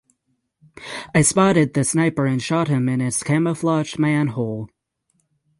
I spotted the sniper and shot him in his camouflaged manhole.